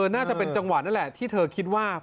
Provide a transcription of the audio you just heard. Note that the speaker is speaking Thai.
น่าจะเป็นจังหวะนั่นแหละที่เธอคิดว่า